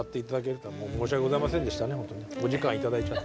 お時間いただいちゃって。